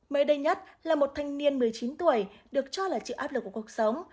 mới đây nhất là một thanh niên một mươi chín tuổi được cho là chịu áp lực của cuộc sống